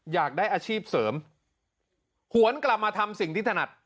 อยากได้อาชีพเสริมหวนกลับมาทำสิ่งที่ถนัด